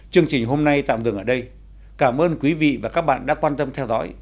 chương trình hôm nay tạm dừng ở đây cảm ơn quý vị và các bạn đã quan tâm theo dõi